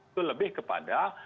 itu lebih kepada